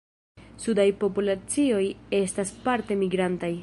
Sudaj populacioj estas parte migrantaj.